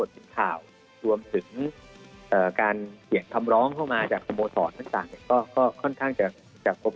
ในการที่จะพิจารณาเกี่ยวกับ